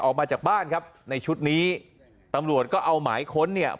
ออกมาจากบ้านครับในชุดนี้ตำรวจก็เอาหมายค้นเนี่ย